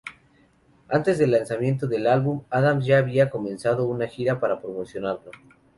Antes del lanzamiento del álbum, Adams ya había comenzado una gira para promocionarlo.